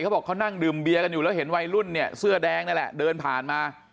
เขาบอกเขานั่งดื่มเบียร์กันอยู่แล้วเห็นวัยรุ่นเนี่ยเสื้อแดงนั่นแหละเดินผ่านมา